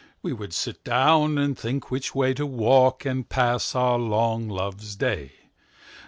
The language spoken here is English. We would sit down, and think which wayTo walk, and pass our long Loves Day.